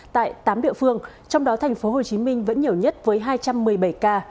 tại tám địa phương trong đó thành phố hồ chí minh vẫn nhiều nhất với hai trăm một mươi bảy ca